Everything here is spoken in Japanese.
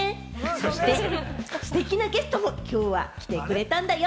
そしてステキなゲストもきょうは来てくれたんだよ。